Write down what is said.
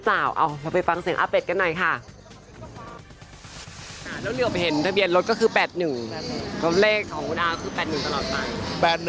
คำเลขของอุณหารก็คือ๘๑ตลอดป่ะ